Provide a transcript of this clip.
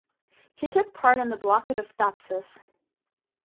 He took part in the blockade of Thapsus.